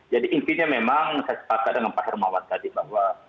jadi intinya memang saya sepakat dengan pak hermawan tadi bahwa